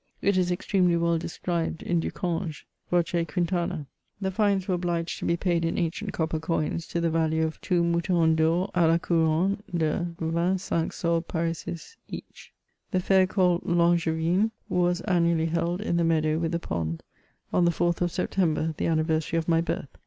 It is extremely well described in Du Cange (voce Quintana). The fines were obliged to be paid in ancient copper coins, to the value of two moutons (Tor d la cour&nne de 25 sols parisis each. The fair called " L*Angevine," was annually held in the meadow with the pond, on the 4th of September, the anniversary of my birth.